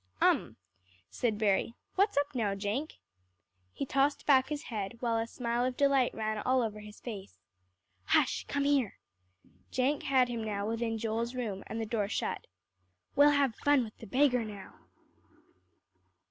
"Um," said Berry, "what's up now, Jenk?" He tossed back his head, while a smile of delight ran all over his face. "Hush come here." Jenk had him now within Joel's room and the door shut. "We'll have fun with the beggar now."